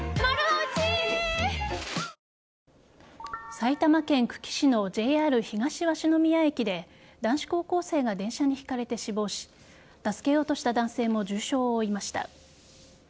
埼玉県久喜市のＪＲ東鷲宮駅で男子高校生が電車にひかれて死亡し助けようとした男性も重傷を負いました。